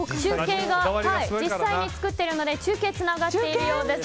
実際に作っているので中継つながっているようです。